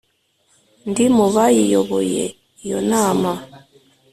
ndi mu bayiyoboye iyo nama.